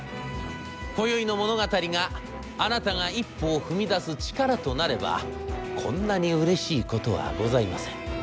今宵の物語があなたが一歩を踏み出す力となればこんなにうれしいことはございません。